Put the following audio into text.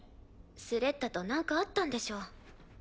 スレッタとなんかあったんでしょ。